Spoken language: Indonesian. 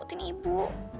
udah aku udah